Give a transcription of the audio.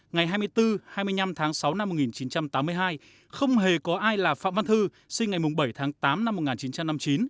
ngày hai mươi bốn hai mươi năm tháng sáu năm một nghìn chín trăm tám mươi hai không hề có ai là phạm văn thư sinh ngày bảy tháng tám năm một nghìn chín trăm năm mươi chín